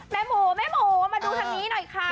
แม่หมูแม่หมูมาดูทางนี้หน่อยค่ะ